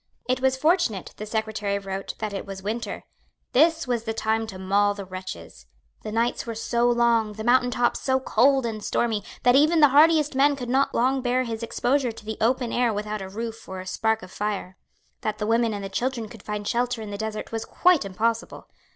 It was fortunate, the Secretary wrote, that it was winter. This was the time to maul the wretches. The nights were so long, the mountain tops so cold and stormy, that even the hardiest men could not long bear exposure to the open air without a roof or a spark of fire. That the women and the children could find shelter in the desert was quite impossible.